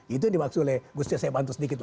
itu dimaksud oleh saya bantu sedikit